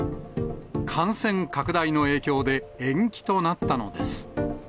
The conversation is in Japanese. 感染拡大の影響で、延期となったのです。